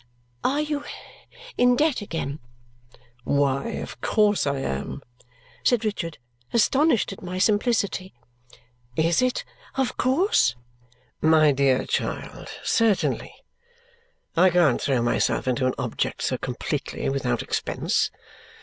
"Are you in debt again?" "Why, of course I am," said Richard, astonished at my simplicity. "Is it of course?" "My dear child, certainly. I can't throw myself into an object so completely without expense.